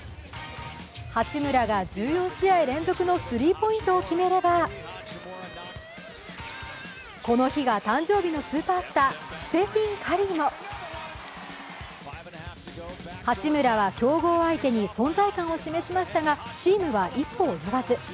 八村が１４試合連続のスリーポイントを決めれば、この日が誕生日のスーパースターステフィン・カリーも八村は強豪相手に存在感を示しましたがチームは、一歩及ばず。